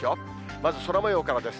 まず空もようからです。